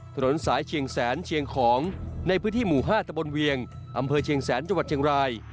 ถนนสายเชียงแสนเชียงของในพื้นที่หมู่๕ตะบนเวียงอำเภอเชียงแสนจังหวัดเชียงราย